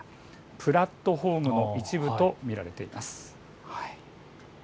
プラットホームの一部と見られています。